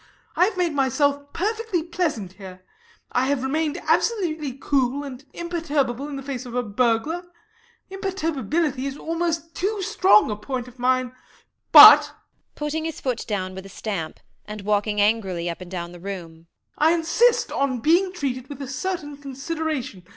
I have made myself perfectly pleasant here. I have remained absolutely cool and imperturbable in the face of a burglar. Imperturbability is almost too strong a point of mine. But [putting his foot down with a stamp, and walking angrily up and down the room] I insist on being treated with a certain consideration.